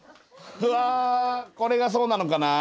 うわこれがそうなのかな？